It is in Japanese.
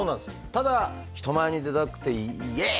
ただ人前に出たくてイエーイ！